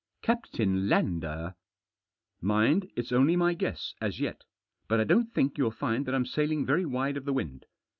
" Captain Lander !" "Mind, it's only my guess, as yet But I don't think you'll find that I'm sailing very wide of the wind.